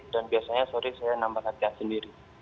dan biasanya sore saya nambah latihan sendiri